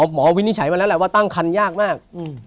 วินิจฉัยมาแล้วแหละว่าตั้งคันยากมาก